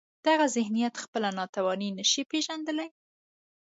دغه ذهنیت خپله ناتواني نشي پېژندلای.